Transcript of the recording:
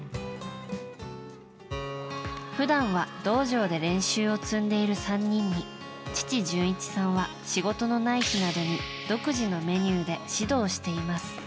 普段は道場で練習を積んでいる３人に父・純一さんは仕事のない日などに独自のメニューで指導しています。